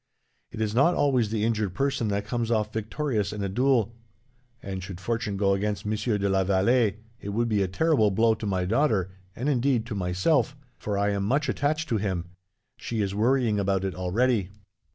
It is not always the injured person that comes off victorious in a duel; and, should fortune go against Monsieur de la Vallee, it would be a terrible blow to my daughter, and indeed to myself, for I am much attached to him. She is worrying about it, already.